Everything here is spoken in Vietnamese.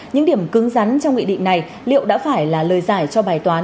những điểm cứng rắn trong nghị định này liệu đã phải là lời giải cho bài toán